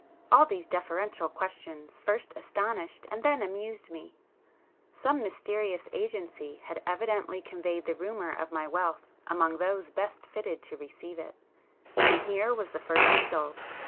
All these deferential questions first astonished and then amused me,—some mysterious agency had evidently conveyed the rumour of my wealth among those best fitted to receive it, and here was the first result.